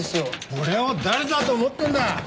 俺を誰だと思ってんだ。